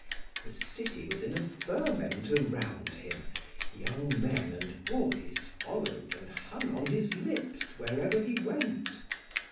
The city was in a ferment around him. Young men and boys followed and hung on his lips wherever he went.